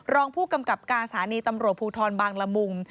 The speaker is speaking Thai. รองผู้กำกับการสถานีตำรวจภูทรบางละมุง